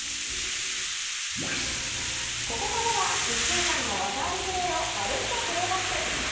ここからは１週間の技ありプレーを「まるっと！Ｐｌａｙｂａｃｋ」。